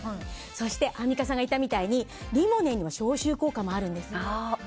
そして、アンミカさんが言ったみたいにリモネンには消臭効果もあるんです。